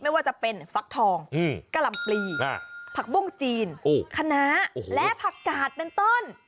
ไม่ว่าจะเป็นฟักทองกะหล่ำปลีผักบุ้งจีนคณะและผักกาดเป็นต้น